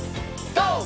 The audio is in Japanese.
ＧＯ！